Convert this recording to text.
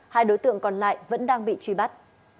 hai đối tượng còn lại vẫn đang bị truy bắt